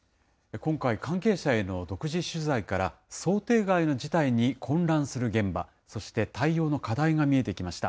今回、関係者への独自取材から、想定外の事態に混乱する現場、そして対応の課題が見えてきました。